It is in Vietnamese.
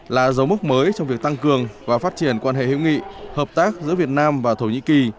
là dấu mốc mới trong việc tăng cường và phát triển quan hệ hữu nghị hợp tác giữa việt nam và thổ nhĩ kỳ